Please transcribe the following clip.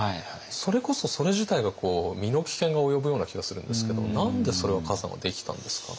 それこそそれ自体が身の危険が及ぶような気がするんですけど何でそれを崋山はできたんですか？